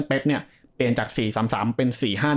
เปลี่ยนจาก๔๓๓เป็น๔๕๑